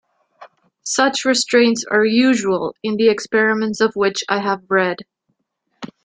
Such restraints are usual in the experiments of which I have read.